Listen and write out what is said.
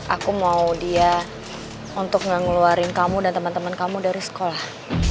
aku mau dia untuk ngeluarin kamu dan teman teman kamu dari sekolah